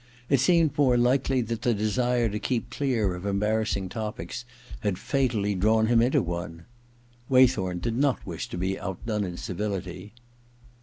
It seemed more likely that the desire to keep clear of embarrassing topics had fatally drawn him into one. Waythorn did not wish to be outdone in civility.